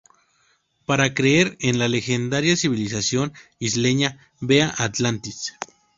Para creer en la legendaria civilización isleña, vea Atlantis.